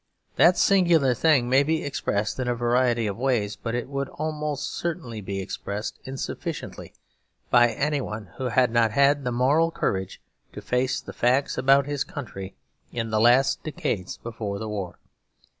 That singular thing may be expressed in a variety of ways; but it would be almost certainly expressed insufficiently by anyone who had not had the moral courage to face the facts about his country in the last decades before the war.